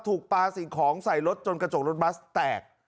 ถูกปลาสิ่งของใส่รถจนกระจกรถบัสแตก